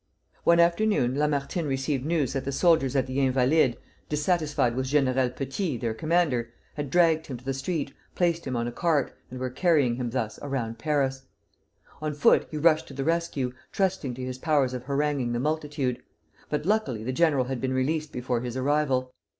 One afternoon Lamartine received news that the soldiers at the Invalides, dissatisfied with General Petit, their commander, had dragged him to the street, placed him on a cart, and were carrying him thus around Paris. On foot he rushed to the rescue, trusting to his powers of haranguing the multitude; but luckily the general had been released before his arrival.